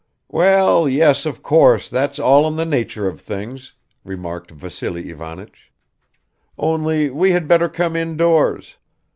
"Well, yes of course, that's all in the nature of things," remarked Vassily Ivanich. "Only we had better come indoors.